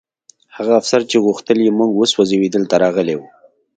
هغه افسر چې غوښتل یې موږ وسوځوي دلته راغلی و